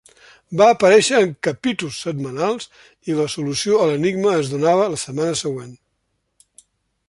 Va aparèixer en capítols setmanals i la solució a l'enigma es donava la setmana següent.